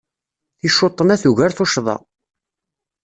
Ticcuṭna tugar tuccḍa.